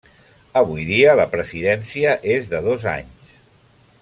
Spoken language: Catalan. Avui dia la presidència és de dos anys.